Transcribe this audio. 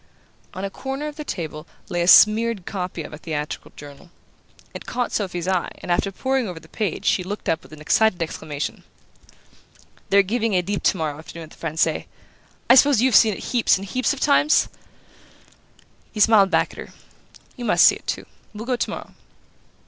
On a corner of their table lay a smeared copy of a theatrical journal. It caught Sophy's eye and after poring over the page she looked up with an excited exclamation. "They're giving Oedipe tomorrow afternoon at the Francais! I suppose you've seen it heaps and heaps of times?" He smiled back at her. "You must see it too. We'll go tomorrow."